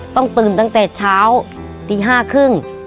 ต้องตื่นตั้งแต่เช้าตีห้าครึ่ง